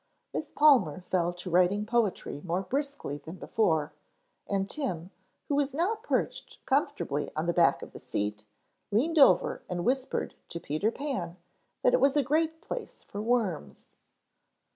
Miss Palmer fell to writing poetry more briskly than before and Tim, who was now perched comfortably on the back of the seat, leaned over and whispered to Peter Pan that it was a great place for worms.